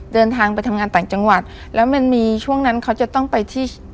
เดินทางไปทำงานต่างจังหวัดแล้วมันมีช่วงนั้นเขาจะต้องไปที่